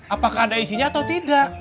apakah ada isinya atau tidak